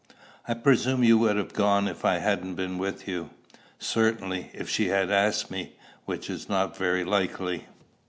"I presume you would have gone if I hadn't been with you?" "Certainly, if she had asked me, which is not very likely."